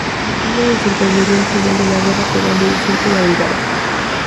Aquí le sorprendería el final de la guerra, quedando disuelta la brigada.